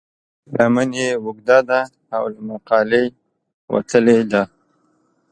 لمن یې اوږده ده او له مقالې وتلې ده.